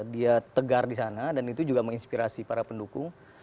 dia tegar di sana dan itu juga menginspirasi para pendukung